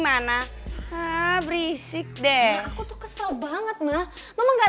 makasih banget reva